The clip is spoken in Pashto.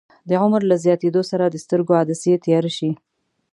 د عمر له زیاتیدو سره د سترګو عدسیې تیاره شي.